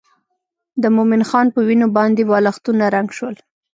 د مومن خان په وینو باندې بالښتونه رنګ شول.